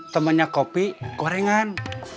temannya kopi gorengan